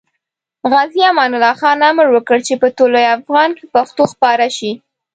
غازي امان الله خان امر وکړ چې په طلوع افغان کې پښتو خپاره شي.